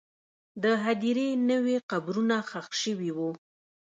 د هدیرې نوې قبرونه ښخ شوي وو.